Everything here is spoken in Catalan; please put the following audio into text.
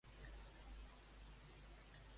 Com es va escapar Estenebea?